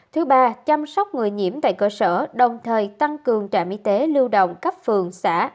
thứ ba chăm sóc người nhiễm tại cơ sở đồng thời tăng cường trạm y tế lưu động cấp phường xã